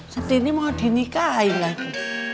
sentini mau dinikahi lagi